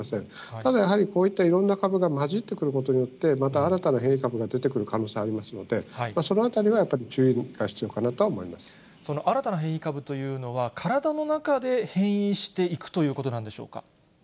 ただやはり、こういったいろんな株が混じってくることによって、また新たな変異株が出てくる可能性ありますので、そのあたりは、注意力が必要その新たな変異株というのは、体の中で変異していくということなんでしょうか。